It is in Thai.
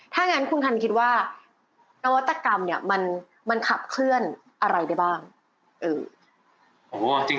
ถ้างั้นคุณพันธ์คิดว่านวัตกรรมเนี่ยมันขับเคลื่อนอะไรได้บ้าง